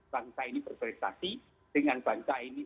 bangsa ini berprestasi dengan bangsa ini